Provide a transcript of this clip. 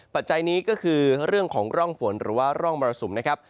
ปัจจัยนี้ก็คือเรื่องของร่องฝนหรือว่าร่องมรสุมนะครับ